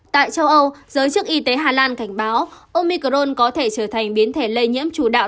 tại châu âu giới chức y tế hà lan cảnh báo omicron có thể trở thành biến thể lây nhiễm chủ đạo